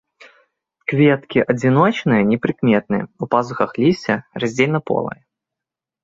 Кветкі адзіночныя, непрыкметныя, у пазухах лісця, раздзельнаполыя.